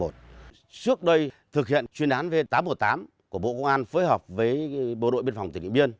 trước đây thực hiện chuyên án v tám trăm một mươi tám của bộ công an phối hợp với bộ đội biên phòng tỉnh điện biên